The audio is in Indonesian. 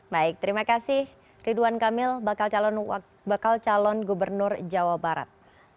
baik terima kasih ridwan kamil bakal calon gubernur jawa barat